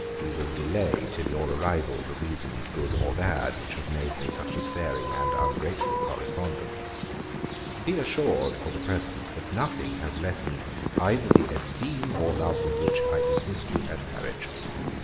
We will delay till your arrival the reasons, good or bad, which have made me such a sparing and ungrateful correspondent. Be assured, for the present, that nothing has lessened either the esteem or love with which I dismissed you at Harwich.